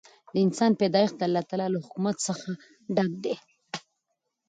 د انسان پیدایښت د الله تعالی له حکمت څخه ډک دی.